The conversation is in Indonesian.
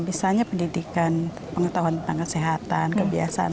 misalnya pendidikan pengetahuan tentang kesehatan kebiasaan